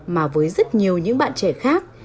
mà với rất nhiều những bạn trẻ khác